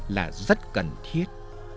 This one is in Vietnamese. là rất cần thiết